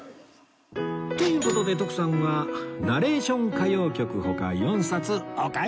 という事で徳さんは『ナレーション歌謡曲』他４冊お買い上げ